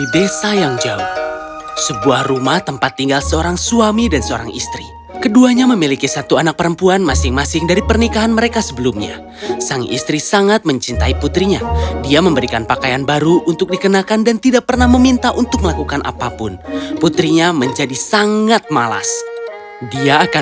dongeng bahasa indonesia